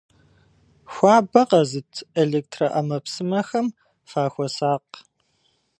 Хуабэ къэзыт электроӏэмэпсымэхэм фахуэсакъ.